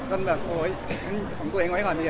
แบบโอ๊ยของตัวเองไว้ก่อนดี